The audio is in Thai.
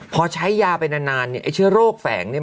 พอใช้ยาไปนานเนี่ยไอ้เชื้อโรคแฝงเนี่ย